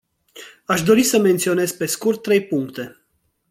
Aș dori să menționez pe scurt trei puncte.